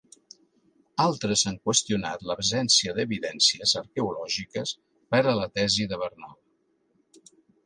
Altres han qüestionat l'absència d'evidències arqueològiques per a la tesi de Bernal.